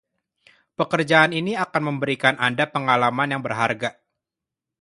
Pekerjaan ini akan memberikan Anda pengalaman yang berharga.